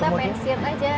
terus kita pan sear aja